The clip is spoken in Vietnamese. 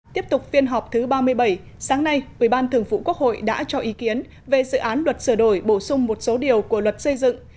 tiếp tục phiên họp thứ ba mươi bảy sáng nay ủy ban thường vụ quốc hội đã cho ý kiến về dự án luật sửa đổi bổ sung một số điều của luật xây dựng